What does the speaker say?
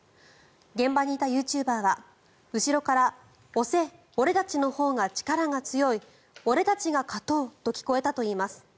現場にいたユーチューバーは後ろから押せ、俺たちのほうが力が強い俺たちが勝とうと聞こえたといいます。